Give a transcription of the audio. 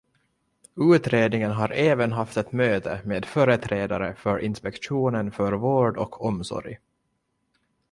Utredningen har även haft ett möte med företrädare för Inspektionen för vård och omsorg.